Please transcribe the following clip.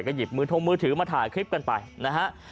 ก็หยิบมือทงมือถือมาถ่ายคลิปกันไปนะฮะ